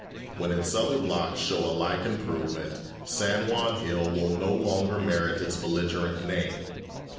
When its other blocks show a like improvement, San Juan Hill will no longer merit its belligerent name.